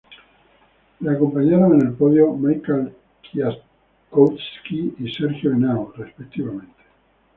Le acompañaron en el podio Michał Kwiatkowski y Sergio Henao, respectivamente.